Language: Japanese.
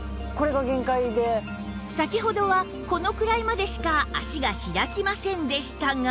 先ほどはこのくらいまでしか脚が開きませんでしたが